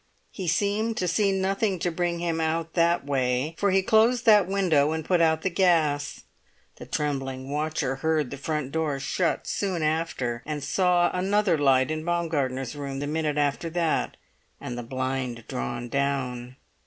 He seemed to see nothing to bring him out that way, for he closed that window and put out the gas. The trembling watcher heard the front door shut soon after, and saw another light in Baumgartner's room the minute after that, and the blind drawn down.